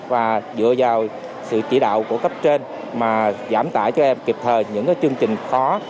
và dựa vào sự chỉ đạo của cấp trên mà giảm tải cho em kịp thời những chương trình khó